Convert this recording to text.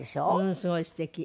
すごいすてき。